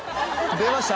出ました